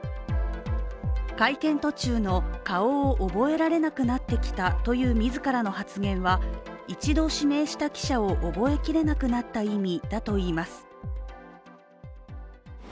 会見途中の顔を覚えられなくなってきたという自らの発言は、一度指名した記者を覚えきれなくなった意味だといいます。